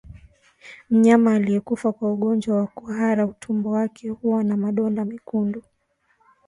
Mnyama aliyekufa kwa ugonjwa wa kuhara utumbo wake huwa na madonda mekundu